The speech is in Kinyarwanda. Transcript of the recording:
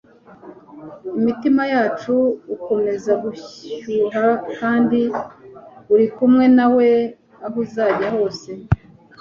imitima yacu ukomeza gushyuha kandi uri kumwe nawe aho uzajya hose